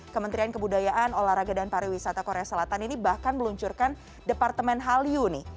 kementerian kebudayaan olahraga dan pariwisata korea selatan ini bahkan meluncurkan departemen hallyu nih